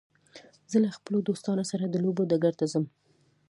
زه له خپلو دوستانو سره د لوبو ډګر ته ځم.